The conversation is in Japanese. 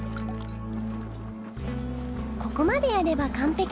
ここまでやれば完璧！